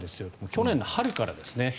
去年の春からですね。